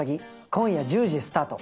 今夜１０時スタート